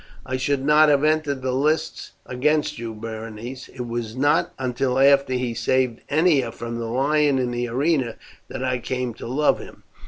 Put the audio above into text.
"I should not have entered the lists against you, Berenice. It was not until after he saved Ennia from the lion in the arena that I came to love him."